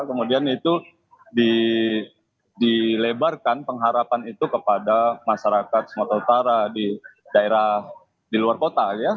kemudian itu dilebarkan pengharapan itu kepada masyarakat sumatera utara di daerah di luar kota ya